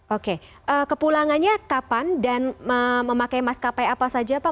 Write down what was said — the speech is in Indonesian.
oke kepulangannya kapan dan memakai maskapai apa saja pak